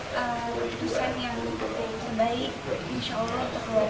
keputusan yang lebih baik insya allah untuk keluarga